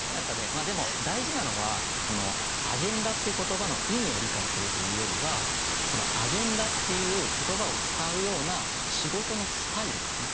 まあでも大事なのはアジェンダっていう言葉の意味を理解するというよりはアジェンダっていう言葉を使うような仕事のスタイルですね